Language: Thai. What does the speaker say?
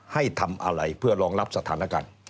ให้ทำอะไรเพื่อรองรับสถานการณ์